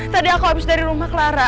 tadi aku habis dari rumah clara